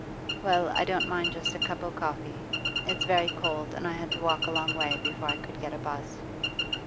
'Well, I don't mind just a cup o' coffee. It's very cold, and I had to walk a long way before I could get a 'bus.